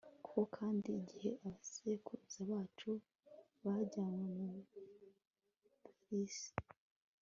koko kandi, igihe abasekuruza bacu bajyanywe mu buperisi